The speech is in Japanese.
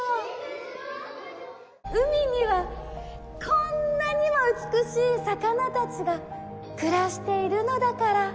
海にはこんなにも美しい魚たちが暮らしているのだから。